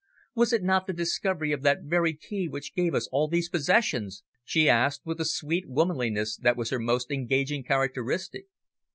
"Was it not the discovery of that very key which gave us all these possessions?" she asked, with the sweet womanliness that was her most engaging characteristic.